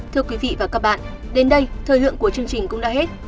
thưa quý vị và các bạn đến đây thời lượng của chương trình cũng đã hết